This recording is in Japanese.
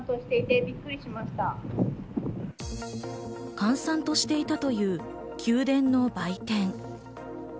閑散としていたという宮殿の売店。